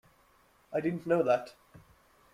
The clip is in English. I didn't know that.